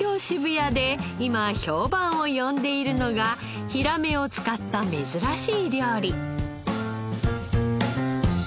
渋谷で今評判を呼んでいるのがヒラメを使った珍しい料理。